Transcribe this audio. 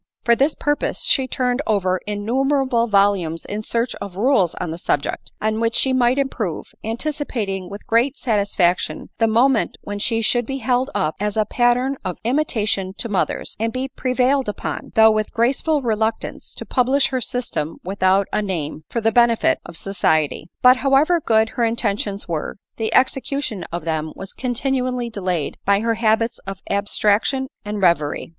For this pur pose she turned over innumerable volumes in search of rules on the subject, on which she might improve, an ticipating with great satisfaction the moment when she should be held up as a pattern of imitation to mothers, and be prevailed upon, though with graceful reluctance, to publish her system without a name, for the benefit of society. But however good her intentions were, the execution of them was continually delayed by her habits of abstrac tion and reverie.